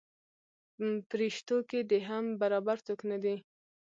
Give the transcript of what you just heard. پریشتو کې دې هم برابر څوک نه دی.